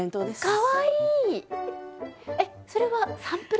かわいい！